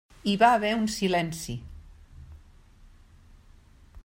Hi va haver un silenci.